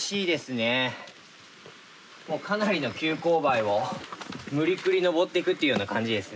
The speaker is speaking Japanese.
もうかなりの急勾配を無理くり登っていくっていうような感じですね。